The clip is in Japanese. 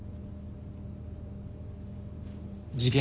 事件